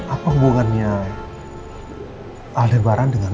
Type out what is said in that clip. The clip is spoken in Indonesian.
apa hubungannya aldebaran dengan roy